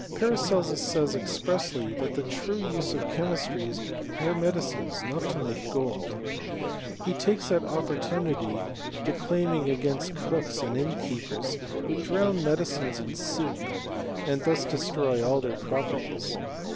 Paracelsus says, expressly, that the true use of chemistry is to prepare medicines, and not to make gold. He takes that opportunity of declaiming against cooks and innkeepers, who drown medicines in soup, and thus destroy all their proper ties.